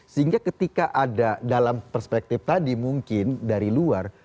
sehingga ketika ada dalam perspektif tadi mungkin dari luar